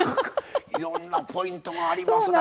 いろんなポイントがありますな